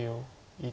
１。